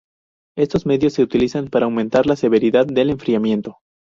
Estos medios se utilizan para aumentar la severidad del enfriamiento.